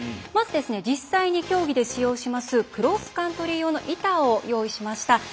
まず、実際に競技で使用しますクロスカントリー用の板を用意しました。